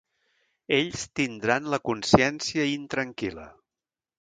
Ells tindran la consciència intranquil·la.